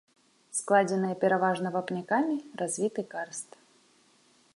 Складзеныя пераважна вапнякамі, развіты карст.